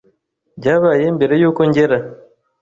Byabaye mbere yuko ngera.